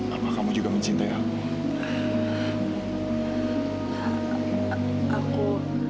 apa kamu juga mencintai aku